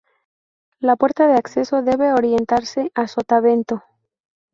La puerta de acceso debe orientarse a sotavento.